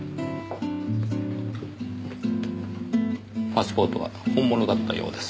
パスポートは本物だったようです。